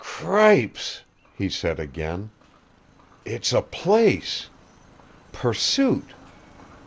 "Cripes!" he said again. "It's a place! Pursuit!